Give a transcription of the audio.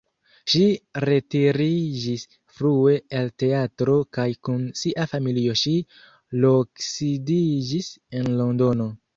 Ŝi retiriĝis frue el teatro kaj kun sia familio ŝi loksidiĝis en Londono.